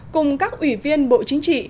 cùng các ủy viên bộ chính trị